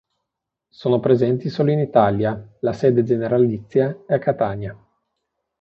Sono presenti solo in Italia; la sede generalizia è a Catania.